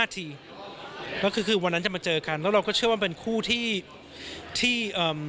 ๕ทีและภาษาที่วันที่มาเจอกันแล้วเราก็เชื่อว่าเป็นคู่ที่ที่